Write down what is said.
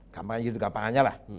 gampangnya gitu gampangnya lah